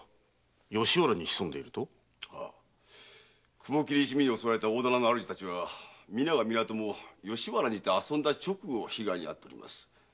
雲切一味に襲われた大店の主たちは皆が皆とも吉原にて遊んだ直後被害に遭っております。